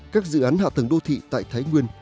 các dự án hạ tầng đô thị tại thái nguyên